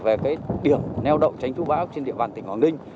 về cái điểm neo đậu tránh chú bão trên địa bàn tỉnh quảng ninh